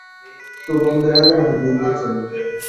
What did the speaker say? প্রভু আমাদের হাজার হাজার বীজ দিয়েছেন।